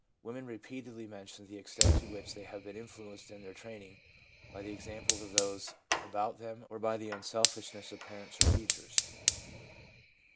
Women repeatedly mention the extent to which they have been influenced in their training by the example of those about them or by the unselfishness of parents or teachers.